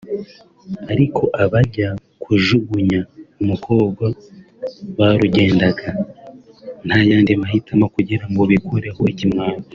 ariko abajya kujugunya umukobwa barugendaga nta yandi mahitamo kugira ngo bikureho ikimwaro